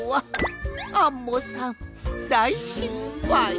アンモさんだいしっぱい。